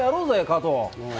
加藤！